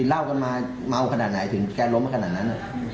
เล่ากันมาเมาขนาดไหนถึงแกล้มขนาดนั้น